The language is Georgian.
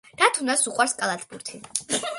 დათუნას უყვარს კალათბურთი